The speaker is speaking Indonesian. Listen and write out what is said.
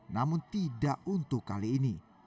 namun tidak untuk kali ini